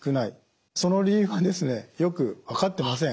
その理由はですねよく分かってません。